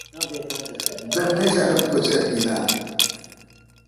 بہ میشالم کوچر گینان۔